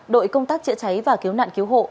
đội công tác chữa cháy và cứu nạn cứu hộ